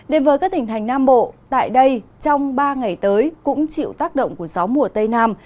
đến với các tỉnh thành nam bộ tại đây trong ba ngày tới cũng chịu tác động của gió mùa tây nam